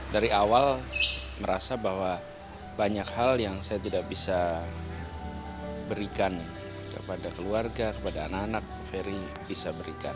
dari awal merasa bahwa banyak hal yang saya tidak bisa berikan kepada keluarga kepada anak anak ferry bisa berikan